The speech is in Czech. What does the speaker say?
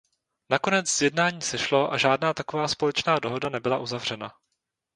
Nakonec z jednání sešlo a žádná taková společná dohoda nebyla uzavřena.